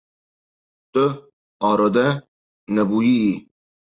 Tu arode nebûyîyî.